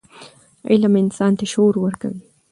علم انسان ته شعور ورکوي.